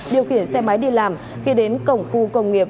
điều khiển xe máy đi làm khi đến cổng khu công nghiệp